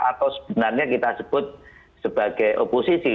atau sebenarnya kita sebut sebagai oposisi